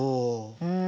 うん。